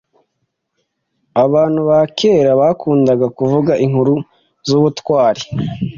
Abantu ba kera bakundaga kuvuga inkuru zubutwari.